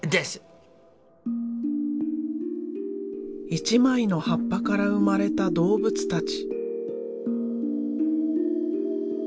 一枚の葉っぱから生まれた動物たち。